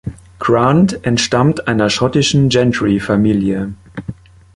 Grant entstammt einer schottischen Gentry-Familie.